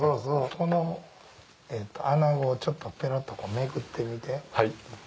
このアナゴをちょっとペロッとめくってみて。